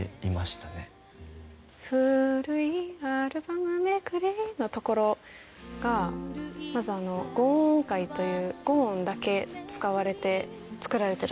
「古いアルバムめくり」のところがまず５音音階という５音だけ使われて作られているんですね。